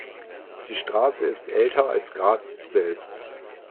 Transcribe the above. Die Straße ist älter als Graz selbst.